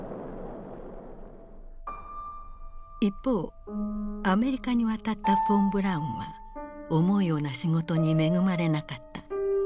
一方アメリカに渡ったフォン・ブラウンは思うような仕事に恵まれなかった。